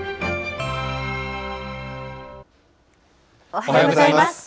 おはようございます。